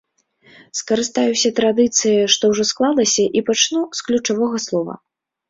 Скарыстаюся традыцыяй, што ўжо склалася, і пачну з ключавога слова.